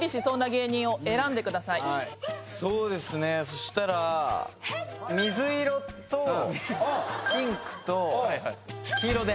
そうですねそしたら水色とピンクと黄色で。